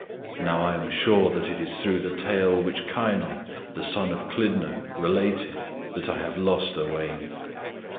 Now I am sure that it is through the tale which Kynon, the son of Clydno, related, that I have lost Owain."